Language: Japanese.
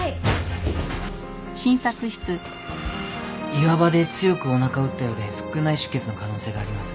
岩場で強くおなかを打ったようで腹腔内出血の可能性があります。